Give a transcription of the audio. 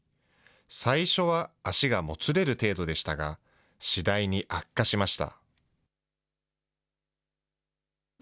最初は足がもつれる程度でしたが、次第に悪化しました。